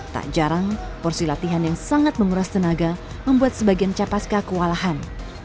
tak jarang porsi latihan yang sangat menguras tenaga membuat sebagian capaska kewalahan